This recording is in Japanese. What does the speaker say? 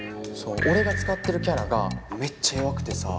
俺が使ってるキャラがめっちゃ弱くてさ。